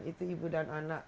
itu ibu dan anak